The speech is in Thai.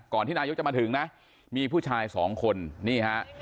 ที่นายกจะมาถึงนะมีผู้ชายสองคนนี่ฮะ